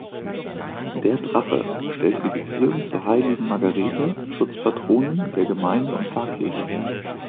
Der "Drache" stellt die Beziehung zur heiligen Margareta, Schutzpatronin der Gemeinde und Pfarrkirche, her.